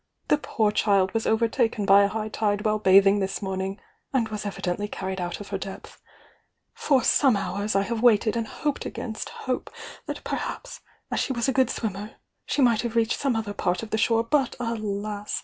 The poor child was overtaken by a high tide whUe bathing this morning, and was evidently carried out of her depth. For some hours I have waited and hoped against hope that perhaps, as she was a good swim mer, she might have reached some other part of the shore, but alas!